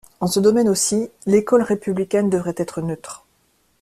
En ce domaine aussi, l'école républicaine devrait être neutre.